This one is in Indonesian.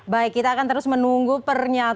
baik kita akan terus menunggu pernyataan